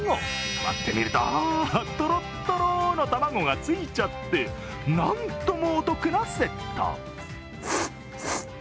割ってみると、とろっとろの卵がついちゃって、なんともお得なセット。